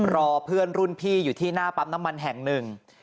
รอเพื่อนรุ่นพี่อยู่ที่หน้าปั๊มน้ำมันแห่งหนึ่ง